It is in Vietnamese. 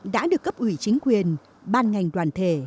đã được cấp ủy chính quyền ban ngành đoàn thể